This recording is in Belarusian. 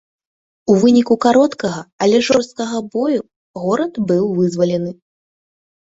У выніку кароткага, але жорсткага бою, горад быў вызвалены.